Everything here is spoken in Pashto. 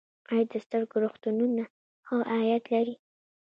آیا د سترګو روغتونونه ښه عاید لري؟